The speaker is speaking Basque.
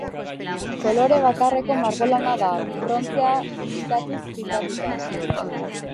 Kolore bakarreko margolana da, brontzea imitatuz pintatua.